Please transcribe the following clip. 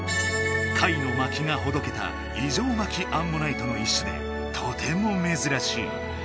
貝の巻きがほどけた異常巻きアンモナイトの一種でとてもめずらしい。